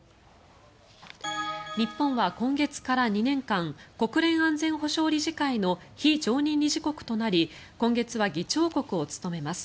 日本は今月から２年間国連安全保障理事会の非常任理事国となり今月は議長国を務めます。